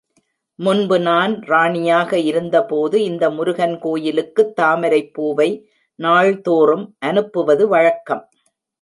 முன்பு நான் ராணியாக இருந்தபோது இந்த முருகன் கோயிலுக்குத் தாமரைப்பூவை நாள்தோறும் அனுப்புவது வழக்கம்.